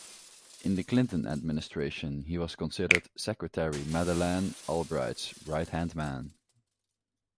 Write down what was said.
In the Clinton administration, he was considered Secretary Madeleine Albright's right-hand man.